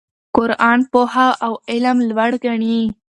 قرآن پوهه او علم لوړ ګڼي.